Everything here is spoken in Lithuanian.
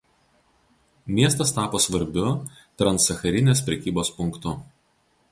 Miestas tapo svarbiu Transsacharinės prekybos punktu.